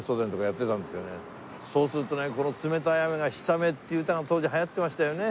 そうするとねこの冷たい雨が『氷雨』っていう歌が当時流行ってましたよね